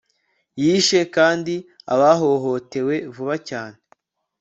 yishe kandi abahohotewe vuba cyane